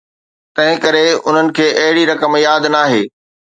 تنهن ڪري انهن کي اهڙي رقم ياد ناهي.